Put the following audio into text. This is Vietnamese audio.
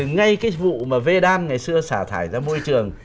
ngay cái vụ mà v đan ngày xưa xả thải ra môi trường